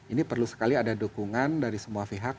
ini perlu sekali ada dukungan dari semua pihak